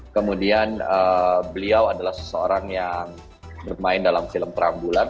kemudian beliau adalah seseorang yang bermain dalam film perambulan